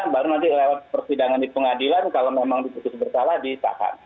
baru nanti lewat persidangan di pengadilan kalau memang diputus bersalah ditahan